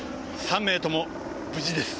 ３名とも無事です。